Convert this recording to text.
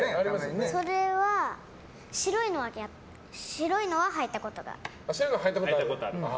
それは白いのははいたことがある。